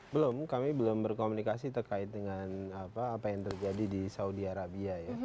belum kami belum berkomunikasi terkait dengan apa yang terjadi di saudi arabia ya